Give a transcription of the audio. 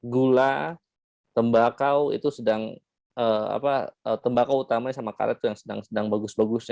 gula tembakau itu sedang tembakau utamanya sama karet itu yang sedang sedang bagus bagus